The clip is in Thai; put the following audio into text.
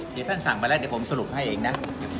เดี๋ยวท่านสั่งไปแล้วเดี๋ยวผมสรุปให้เองนะ